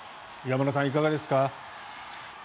岩村さん、いかがですか。